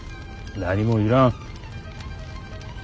何もいらん。